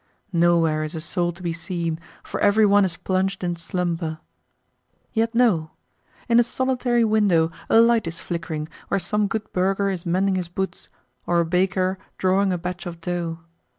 Nowhere is a soul to be seen, for every one is plunged in slumber. Yet no. In a solitary window a light is flickering where some good burgher is mending his boots, or a baker drawing a batch of dough.